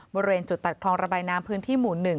บริเวณจุดตัดคลองระบายน้ำพื้นที่หมู่๑